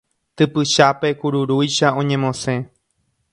Typychápe kururúicha oñemosẽ